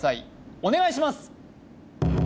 お願いします